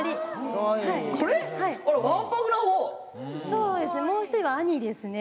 そうですね